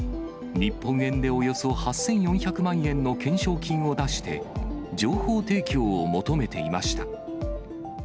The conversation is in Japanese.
日本円でおよそ８４００万円の懸賞金を出して、情報提供を求めていました。